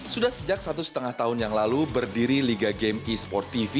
sudah sejak satu setengah tahun yang lalu berdiri liga game esports indonesia